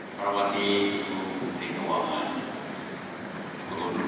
perwakili keputusan keuangan